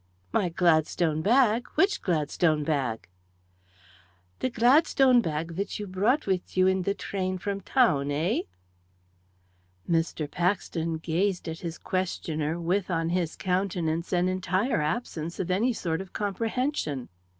"My Gladstone bag! which Gladstone bag?" "The Gladstone bag which you brought with you in the train from town, eh?" Mr. Paxton gazed at his questioner with, on his countenance, an entire absence of any sort of comprehension.